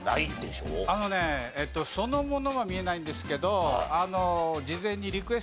あのねそのものは見れないんですけど。